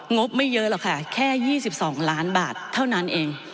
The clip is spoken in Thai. บไม่เยอะหรอกค่ะแค่๒๒ล้านบาทเท่านั้นเอง